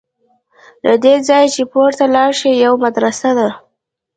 له دې ځایه چې پورته لاړ شې یوه مدرسه ده.